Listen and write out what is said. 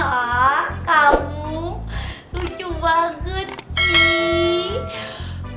hah kamu lucu banget sih